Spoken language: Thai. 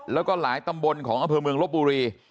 แล้วก็หลายตำบลของอำเภอเมืองลบบุรี